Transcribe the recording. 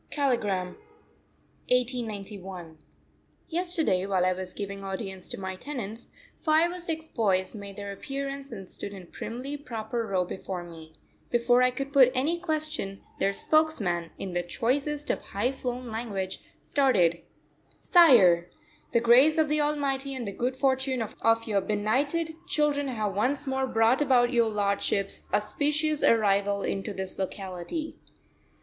KALIGRAM, 1891. Yesterday, while I was giving audience to my tenants, five or six boys made their appearance and stood in a primly proper row before me. Before I could put any question their spokesman, in the choicest of high flown language, started: "Sire! the grace of the Almighty and the good fortune of your benighted children have once more brought about your lordship's auspicious arrival into this locality."